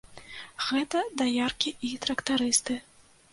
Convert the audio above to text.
Гэта даяркі і трактарысты.